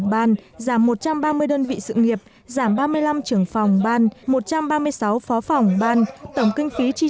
ban giảm một trăm ba mươi đơn vị sự nghiệp giảm ba mươi năm trưởng phòng ban một trăm ba mươi sáu phó phòng ban tổng kinh phí chi